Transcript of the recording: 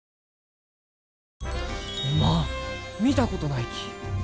おまん見たことないき。